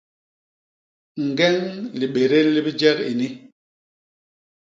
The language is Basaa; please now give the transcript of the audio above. Ñgeñ libédél li bijek ini.